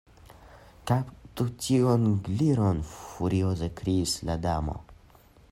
"Kaptu tiun Gliron," furioze kriis la Damo.